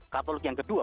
katolik yang kedua